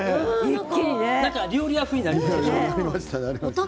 料理屋風になりましたね。